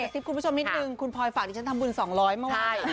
ซิปคุณผู้ชมนิดนึงคุณพลอยฝากดิฉันทำบุญ๒๐๐เมื่อวาน